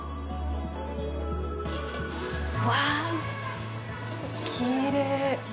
うわっ、きれい。